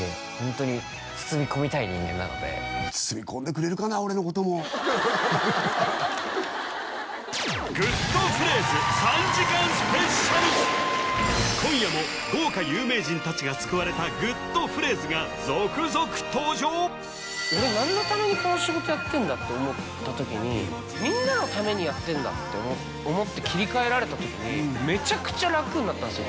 人間なので今夜も豪華有名人たちが救われたグッとフレーズが続々登場何のためにこの仕事やってんだ？って思った時にみんなのためにやってんだって思って切り替えられた時にメチャクチャ楽になったんですよ